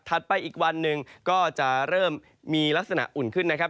ไปอีกวันหนึ่งก็จะเริ่มมีลักษณะอุ่นขึ้นนะครับ